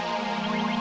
tuhan aku ingin menang